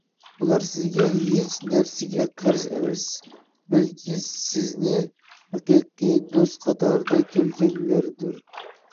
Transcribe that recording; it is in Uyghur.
بۇلار سىزگە ھېچ نەرسىگە قەرز ئەمەس، بەلكى سىزنى ھەقىقىي دوست قاتارىدا كۆرگەنلەردۇر.